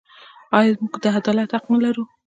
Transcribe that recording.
آیا موږ د عدالت حق نلرو؟